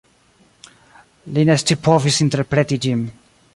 Li ne scipovis interpreti ĝin.